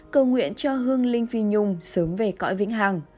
cầu nguyện cho hương linh phi nhung sớm về cõi vĩnh hằng